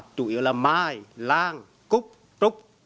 chủ yếu là mai lang cúc trúc